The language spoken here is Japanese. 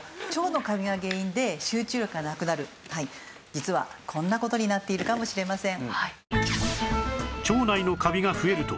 実はこんな事になっているかもしれません。